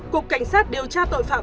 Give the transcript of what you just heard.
cục cảnh sát điều tra tội phạm